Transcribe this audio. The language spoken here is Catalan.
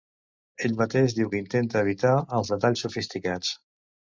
Ell mateix diu que intenta evitar els detalls sofisticats.